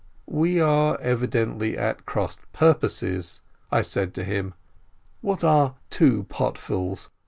"We are evidently at cross purposes," I said to him. "What are two potfuls